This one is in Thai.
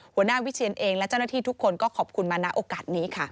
วิเชียนเองและเจ้าหน้าที่ทุกคนก็ขอบคุณมาณโอกาสนี้ค่ะ